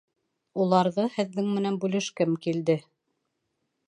Уларҙы һеҙҙең менән бүлешкем килде.